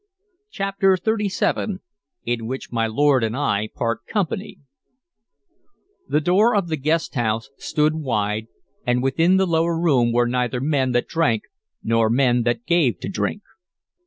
CHAPTER XXXVII IN WHICH MY LORD AND I PART COMPANY THE door of the guest house stood wide, and within the lower room were neither men that drank nor men that gave to drink.